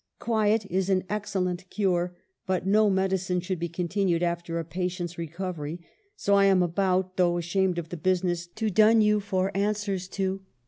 Quiet is an excellent cure, but no medicine should be continued after a patient's recovery, so I am about, though ashamed of the business, to dun you for answers to